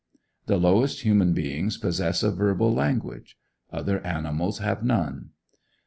The lowest human beings possess a verbal language; other animals have none.